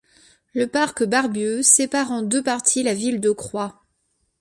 Le parc Barbieux sépare en deux parties la ville de Croix.